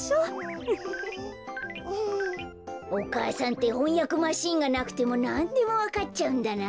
お母さんってほんやくマシーンがなくてもなんでもわかっちゃうんだな。